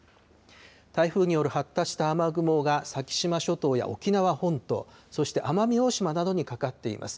台風による発達した雨雲が、先島諸島や沖縄本島、そして奄美大島などにかかっています。